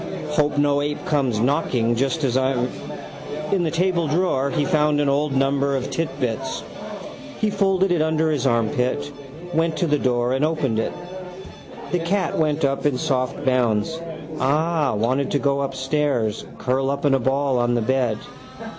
Hope no ape comes knocking just as I'm. In the tabledrawer he found an old number of Titbits. He folded it under his armpit, went to the door and opened it. The cat went up in soft bounds. Ah, wanted to go upstairs, curl up in a ball on the bed.